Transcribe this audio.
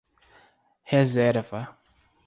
Reserva